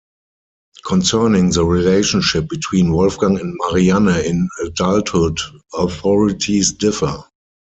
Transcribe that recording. Concerning the relationship between Wolfgang and Marianne in adulthood, authorities differ.